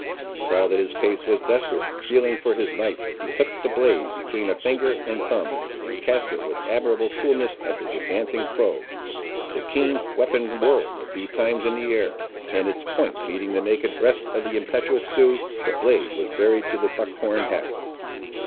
He saw that his case was desperate. Feeling for his knife, he took the blade between a finger and thumb, and cast it with admirable coolness at his advancing foe. The keen weapon whirled a few times in the air, and its point meeting the naked breast of the impetuous Sioux, the blade was buried to the buck horn haft.